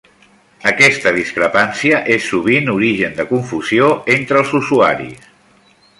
Aquesta discrepància és sovint origen de confusió entre els usuaris.